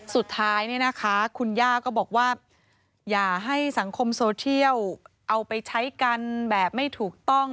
สุดท้ายเนี่ยนะคะคุณย่าก็บอกว่าอย่าให้สังคมโซเทียลเอาไปใช้กันแบบไม่ถูกต้อง